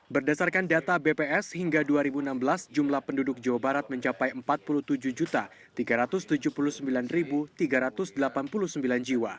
berdasarkan data bps hingga dua ribu enam belas jumlah penduduk jawa barat mencapai empat puluh tujuh tiga ratus tujuh puluh sembilan tiga ratus delapan puluh sembilan jiwa